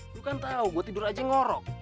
lu kan tahu gua tidur aja ngorok